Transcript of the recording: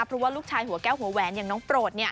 เพราะว่าลูกชายหัวแก้วหัวแหวนอย่างน้องโปรด